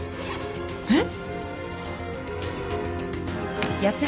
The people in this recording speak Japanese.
えっ？